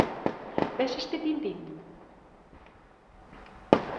Ves este pinpín?